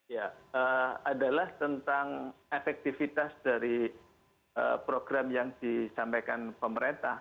ya adalah tentang efektivitas dari program yang disampaikan pemerintah